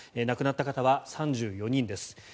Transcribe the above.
亡くなった方は３４人です。